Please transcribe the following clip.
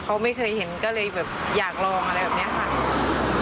เขาไม่เคยเห็นก็เลยแบบอยากลองอะไรแบบนี้ค่ะ